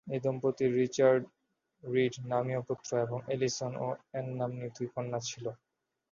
এ দম্পতির Richard Reid নামীয় পুত্র এবং অ্যালিসন ও অ্যান নাম্নী দুই কন্যা ছিল।